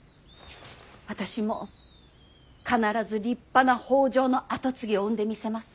私も必ず立派な北条の跡継ぎを産んでみせます。